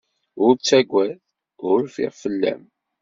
Ur ttagad. Ur rfiɣ fell-am.